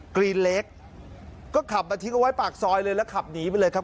กรีนเล็กก็ขับมาทิ้งเอาไว้ปากซอยเลยแล้วขับหนีไปเลยครับ